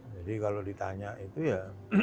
jadi kalau ditanya itu ya